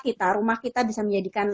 kita rumah kita bisa menjadikan